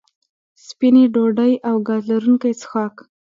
سپینې ډوډۍ او ګاز لرونکي څښاک